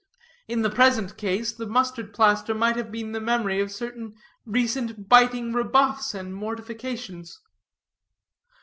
In the present case the mustard plaster might have been the memory of certain recent biting rebuffs and mortifications.